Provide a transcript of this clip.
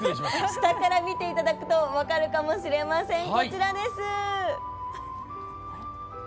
下から見ていただくと分かるかもしれません。